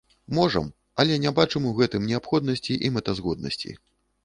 Можам, але не бачым у гэтым неабходнасці і мэтазгоднасці.